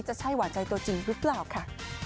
จะใช่หวานใจตัวจริงหรือเปล่าค่ะ